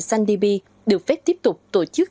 sandibi được phép tiếp tục tổ chức